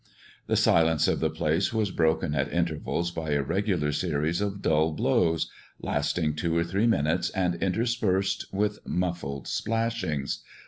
The silence of the place was broken at intervals by a regular series of dull blows, lasting two or three minutes and interspersed with muffled splashings.